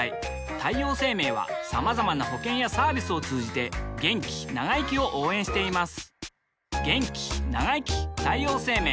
太陽生命はまざまな保険やサービスを通じて気長生きを応援しています